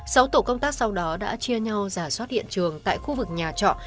sáu tổ công tác sau đó đã chia nhau giả soát hiện trường tại khu vực nhà trọ